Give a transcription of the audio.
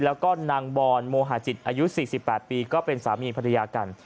แล้วก็นางบอนโมหาจิตอายุ๔๘ปีก็เป็นสามีภรรยากัน